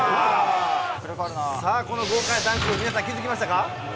さあ、この豪快ダンク、皆さん気付きましたか。